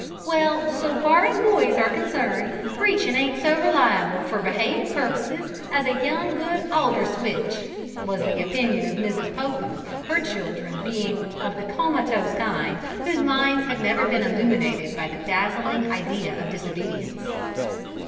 '" "Well, so far as boys are concerned, preachin' ain't so reliable, for behavin' purposes, as a good young alder switch," was the opinion of Mrs. Popham, her children being of the comatose kind, whose minds had never been illuminated by the dazzling idea of disobedience.